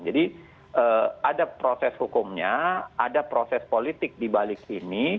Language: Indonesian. jadi ada proses hukumnya ada proses politik di balik sini